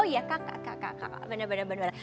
oh iya kakak kakak kakak bener bener bener